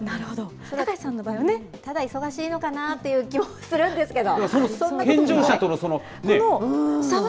高瀬さんの場合は、ただ忙しいだけなのかなというするんですけど。